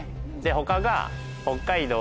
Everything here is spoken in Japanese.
他が。